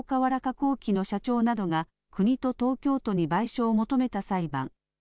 工機の社長などが国と東京都に賠償を求めた裁判。